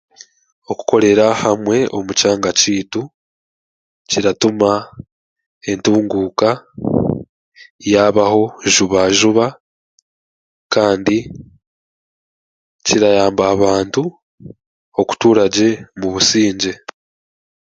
Okukorera hamwe omu kyanga kyeitu kiratuma entunguka yabaho juba juba kandi kirayamba abantu okuturagye omu busingye.